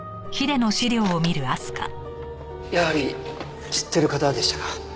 やはり知ってる方でしたか。